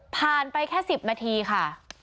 ผ่านไปแค่๑๐นาทีค่ะ